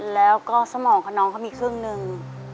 แล้วก็สมองของน้องเขามีครึ่งหนึ่ง